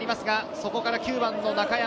そこから９番の中山。